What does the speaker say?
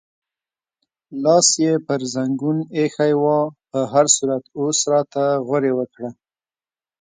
لاس یې پر زنګون ایښی و، په هر صورت اوس راته غورې وکړه.